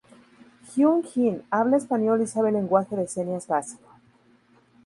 Hyun-jin habla español y sabe lenguaje de señas básico.